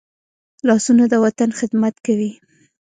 لاسونه د وطن خدمت کوي